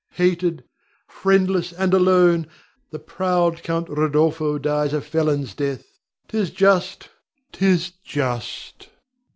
Hated, friendless, and alone, the proud Count Rodolpho dies a felon's death. 'Tis just, 'tis just!